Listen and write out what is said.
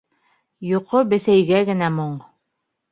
Йоҡо бесәйгә генә моң.